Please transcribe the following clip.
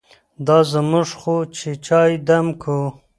دا موږ خو چې چای دم کوو.